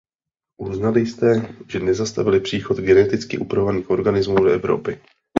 Uznali jste, že nezastavili příchod geneticky upravovaných organismů do Evropy.